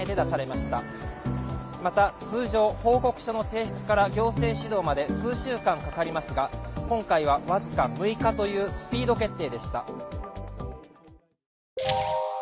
また通常、報告書の提出から行政指導まで数週間かかりますが今回は、僅か６日というスピード決定でした。